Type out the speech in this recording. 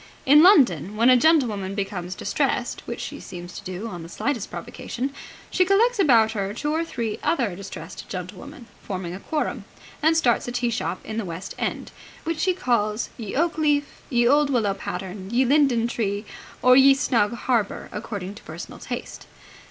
In London, when a gentlewoman becomes distressed which she seems to do on the slightest provocation she collects about her two or three other distressed gentlewomen, forming a quorum, and starts a tea shop in the West End, which she calls Ye Oak Leaf, Ye Olde Willow Pattern, Ye Linden Tree, or Ye Snug Harbour, according to personal taste.